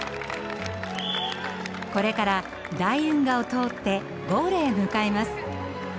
これから大運河を通ってゴールへ向かいます。